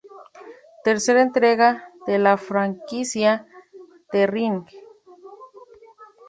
Tercera entrega de la franquicia ""The Ring"".